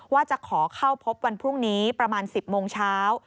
ว่าจะขอเข้าพบวันพรุ่งนี้ประมาณ๑๐โมงเช้า